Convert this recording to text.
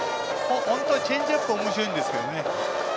本当はチェンジアップがおもしろいんですけどね。